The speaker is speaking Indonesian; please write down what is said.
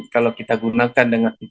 kalau kita gunakan dengan